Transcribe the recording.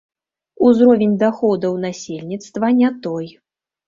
Узровень даходаў насельніцтва не той.